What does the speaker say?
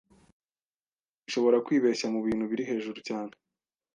ishobora kwibeshya mubintu biri hejuru cyane